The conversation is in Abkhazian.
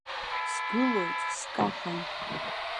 Сгылоит, скаҳан.